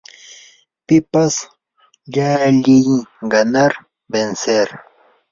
pipas llalliy ganar, vencer